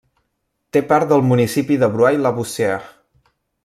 Té part del municipi de Bruay-la-Buissière.